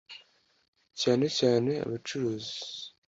cyane cyane abacuruzi